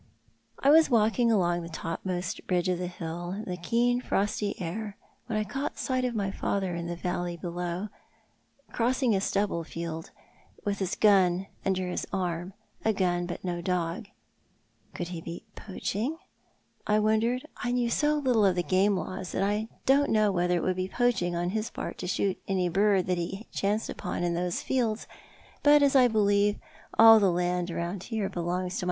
I was walking along the topmost ridge of the hill in the keen frosty air when I caught sight of my father in the valley below, crossing a stubble field with his gun under his arm — a gun, but no dog. Could he be poaching, I wondered? I know so little of the game laws that I don't know whether it would be poaching on his part to shoot any bird that he chanced upon in thope fields ; but as I believe all the land round here belongs to m.